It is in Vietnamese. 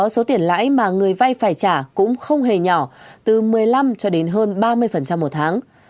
số tiền lãi mà người vay phải trả cũng không hề nhỏ từ một mươi năm cho đến hơn ba mươi một tháng